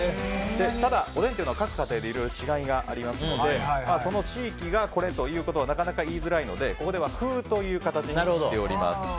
ただ、おでんというのは各家庭で違いがありますのでその地域が、これということはなかなか言いにくいのでここでは風という形にしています。